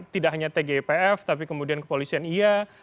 tidak hanya tgpf tapi kemudian kepolisian iya